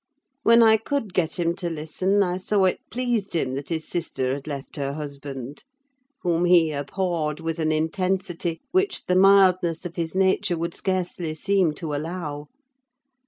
When I could get him to listen, I saw it pleased him that his sister had left her husband; whom he abhorred with an intensity which the mildness of his nature would scarcely seem to allow.